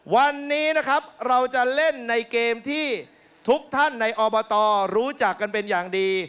วันนี้นะครับเราจะเล่นในเกมที่ทุกท่านในอบตรู้จักกันเป็นอย่างดี